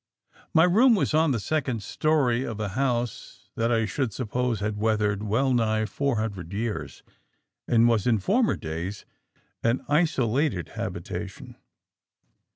"My room was on the second storey of a house that, I should suppose, had weathered well nigh four hundred years, and was in former days an isolated habitation.